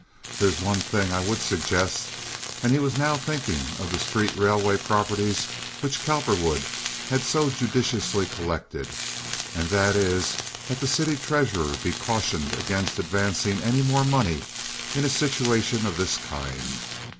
There's one thing I would suggest"—and he was now thinking of the street railway properties which Cowperwood had so judiciously collected—"and that is that the city treasurer be cautioned against advancing any more money in a situation of this kind.